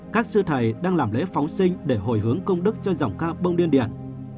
các sư thầy đang làm lễ phóng sinh để hồi hướng công đức cho dòng ca bông điên điển